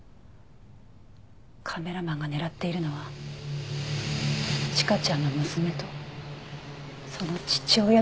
カメラマンが狙っているのは千佳ちゃんの娘とその父親だと察したわ。